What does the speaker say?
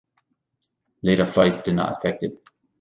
Later flights did not affect it.